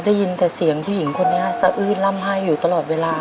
ได้ยินแต่เสียงผู้หญิงคนนี้สะอื้นล่ำไห้อยู่ตลอดเวลา